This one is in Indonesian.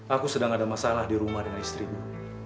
aku sedang ada masalah di rumah dengan istrimu